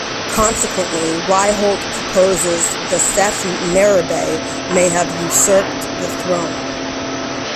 Consequently, Ryholt proposes that Seth Meribre may have usurped the throne.